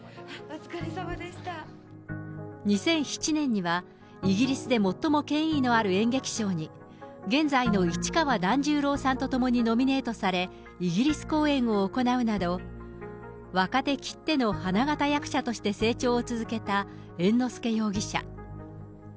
２００７年には、イギリスで最も権威のある演劇賞に、現在の市川團十郎さんと共にノミネートされ、イギリス公演を行うなど、若手きっての花形役者として成長を続けた猿之助容疑者。